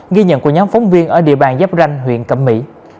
ghi nhận của nhóm phóng viên ở địa bàn giáp ranh huyện cẩm mỹ